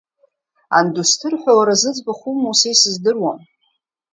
Андусҭыр ҳәа уара зыӡбахә умоу са исыздыруам.